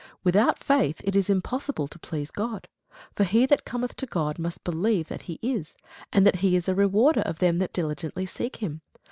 Without faith it is impossible to please God: for he that cometh to God must believe that he is, and that he is a rewarder of them that diligently seek him.